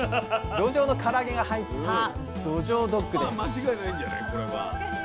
どじょうのから揚げが入った「どじょうドッグ」です！